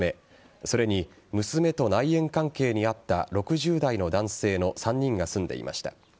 それに、娘と内縁関係にあった６０代の男性の３人が住んでいました。